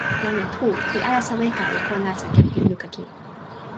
jan Tu li alasa weka e ko nasa kepeken luka kin.